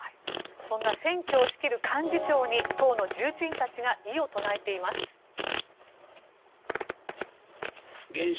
そんな選挙を仕切る幹事長に党の重鎮たちが異を唱えています。